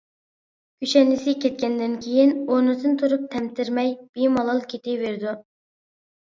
كۈشەندىسى كەتكەندىن كېيىن ئورنىدىن تۇرۇپ تەمتىرىمەي بىمالال كېتىۋېرىدۇ.